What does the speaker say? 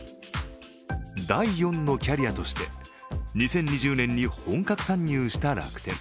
第４のキャリアとして２０２０年に本格参入した楽天。